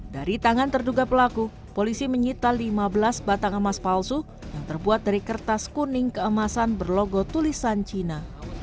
dari tangan terduga pelaku polisi menyita lima belas batang emas palsu yang terbuat dari kertas kuning keemasan berlogo tulisan cina